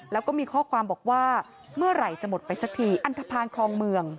แล้วก็มีข้อความบอกว่าเมื่อไหร่จะหมดไปสักทีอันทภาณคลองเมือง